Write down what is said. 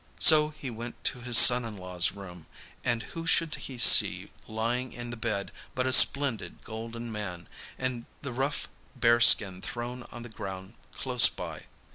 So he went to his son in law's room, and who should he see lying in the bed but a splendid golden man, and the rough bearskin thrown on the ground close by.